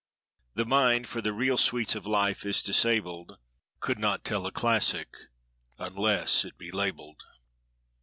The mind, for the real sweets of life, is disabled; Could not tell a classic unless it be labeled.